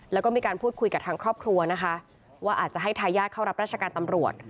แล้วก็มีการพูดคุยกับทางครอบครัวนะคะว่าอาจจะให้ทายาทเข้ารับราชการตำรวจ